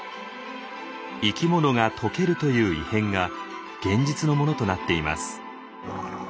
生き物が溶けるという異変が現実のものとなっています。